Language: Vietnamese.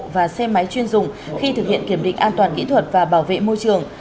và xe máy chuyên dùng khi thực hiện kiểm định an toàn kỹ thuật và bảo vệ môi trường